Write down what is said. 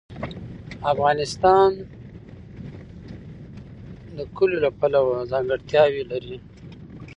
افغانستان د کلیو له پلوه ځانګړتیاوې لري.